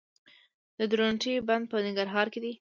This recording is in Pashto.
د درونټې بند په ننګرهار کې دی